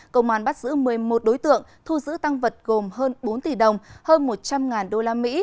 công an bắt giữ một mươi một đối tượng thu giữ tăng vật gồm hơn bốn tỷ đồng hơn một trăm linh usd